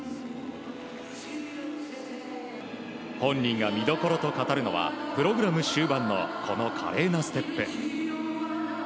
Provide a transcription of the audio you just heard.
本人が見どころと語るのはプログラム終盤のこの華麗なステップ。